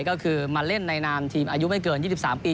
ก็คือมาเล่นในนามทีมอายุไม่เกิน๒๓ปี